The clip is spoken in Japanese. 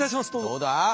どうだ？